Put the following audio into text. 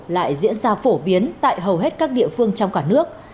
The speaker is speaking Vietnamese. lại diễn ra phổ biến tại hầu hết các địa phương trong cả nước